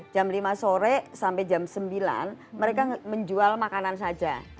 jam lima sore sampai jam sembilan mereka menjual makanan saja